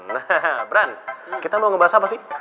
nah brand kita mau ngebahas apa sih